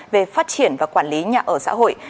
về phát triển và quản lý nhà ở xã hội